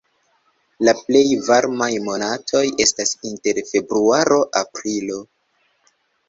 La plej varmaj monatoj estas inter februaro-aprilo.